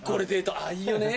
いいよね